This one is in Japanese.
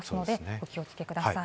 お気をつけください。